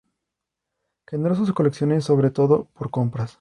Generó sus colecciones sobre todo por compras.